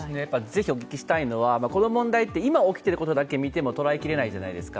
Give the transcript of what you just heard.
ぜひお聞きしたいのは、この問題って、今起こっている問題だけ見ても捉えきれないじゃないですか。